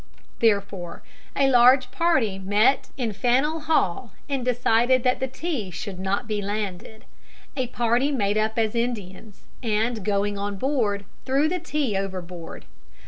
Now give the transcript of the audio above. Therefore a large party met in Faneuil Hall and decided that the tea should not be landed. A party made up as Indians, and, going on board, threw the tea overboard.